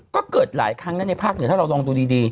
ก็เกิดหลายครั้งแล้วในภาคเหนือถ้าเราลองดูดี